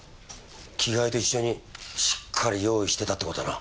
着替えと一緒にしっかり用意してたって事だな。